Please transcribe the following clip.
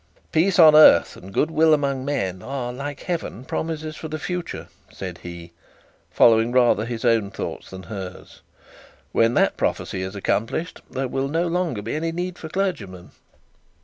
'Peace on earth and good will among men, are, like heaven, promises for the future;' said he, following rather his own thoughts than hers. 'When that prophecy is accomplished, there will no longer be any need for clergymen.'